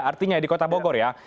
artinya di kota bogor ya